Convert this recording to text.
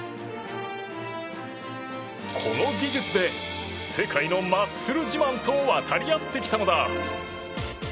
この技術で世界のマッスル自慢と渡り合ってきたのだ。